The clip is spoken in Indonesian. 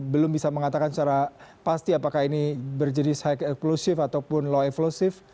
belum bisa mengatakan secara pasti apakah ini berjadis high inclusive ataupun low inclusive